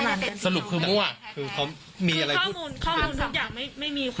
แล้วหลวงตารู้ได้ยังไง